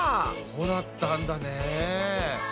そうだったんだね。